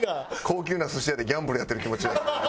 高級な寿司屋でギャンブルやってる気持ちになってきた。